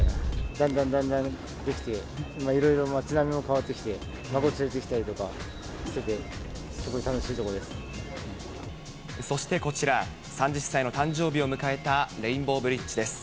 だんだんだんだん出来て、いろいろ街並みも変わってきて、孫連れてきたりとかしてて、そしてこちら、３０歳の誕生日を迎えたレインボーブリッジです。